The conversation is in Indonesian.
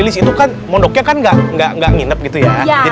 bapak security bawa member soal sesungguhnya